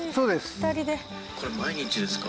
これ毎日ですか？